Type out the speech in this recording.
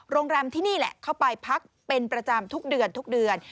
โรงแรมที่นี่แหละเข้าไปพักเป็นประจำทุกเดือนทุกเดือน